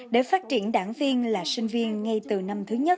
để phát triển đảng viên là sinh viên ngay từ năm thứ nhất